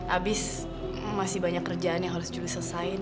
abis masih banyak kerjaan yang harus juli selesain